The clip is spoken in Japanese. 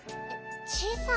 小さい。